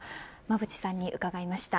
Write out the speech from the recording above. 馬渕さんに伺いました。